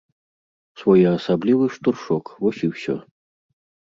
Своеасаблівы штуршок, вось і ўсё.